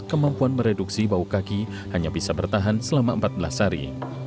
kemampuan mereduksi bau kaki hanya bisa bertahan selama empat belas hari